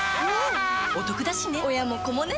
おトクだしね